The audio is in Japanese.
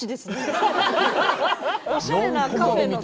おしゃれなカフェのタッチ。